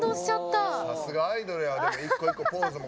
さすがアイドルや。